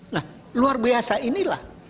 nah luar biasa inilah